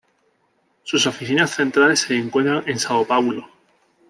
Sus oficinas centrales se encuentran en São Paulo.